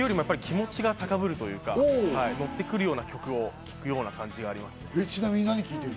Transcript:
気持ちが高ぶるというか、ノッてくるような曲を聴くような感じがあります。